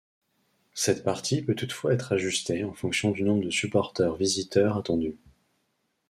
Cette partie peut toutefois être ajustée en fonction du nombre de supporters visiteurs attendus.